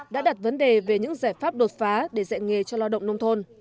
đã đặt vấn đề về những giải pháp đột phá để dạy nghề cho lao động nông thôn